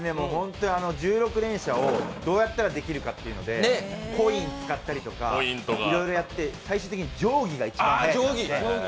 １６連射をどうやったらできるのかというのでコイン使ったりとかいろいろやって、最終的に定規が一番よくて。